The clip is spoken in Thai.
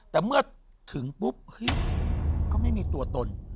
แต่เมื่อถึงปุ๊บเฮ้ยก็ไม่มีตัวตน